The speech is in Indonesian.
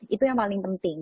itu yang paling penting